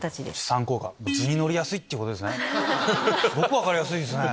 すごく分かりやすいですね。